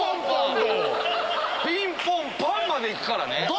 ピンポンパンまで行くからね。